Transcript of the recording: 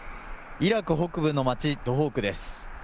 イラク北部の町、ドホークです。